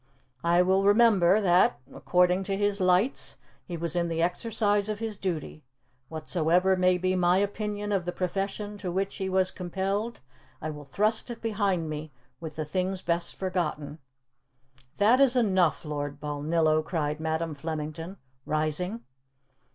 "I will remember that, according to his lights, he was in the exercise of his duty. Whatsoever may be my opinion of the profession to which he was compelled, I will thrust it behind me with the things best forgotten." "That is enough, Lord Balnillo," cried Madam Flemington, rising.